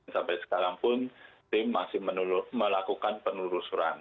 sampai sekarang pun tim masih melakukan penelusuran